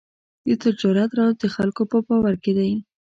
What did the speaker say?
د تجارت راز د خلکو په باور کې دی.